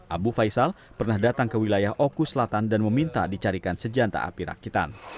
abu faisal pernah datang ke wilayah oku selatan dan meminta dicarikan senjata api rakitan